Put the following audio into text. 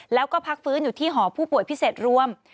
แล้วก็พักฟื้นอยู่ที่หอผู้ป่วยพิเศษรวม